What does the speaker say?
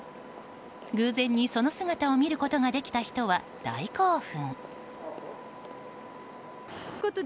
偶然にその姿を見ることができた人は大興奮。